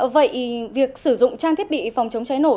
vậy việc sử dụng trang thiết bị phòng chống cháy nổ